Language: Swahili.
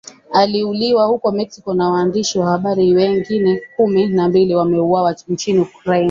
aliuliwa huko Mexico na waandishi wa habari wengine kumi na mbili wameuawa nchini Ukraine